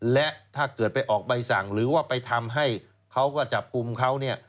และถ้าเกิดไปออกใบสั่งหรือว่าไปทำให้เขาก็จับกลุ่มเขาเนี่ย